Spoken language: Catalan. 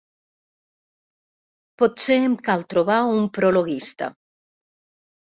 Potser em cal trobar un prologuista.